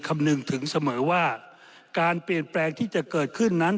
คำนึงถึงเสมอว่าการเปลี่ยนแปลงที่จะเกิดขึ้นนั้น